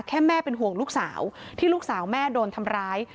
แม่เป็นห่วงลูกสาวที่ลูกสาวแม่โดนทำร้าย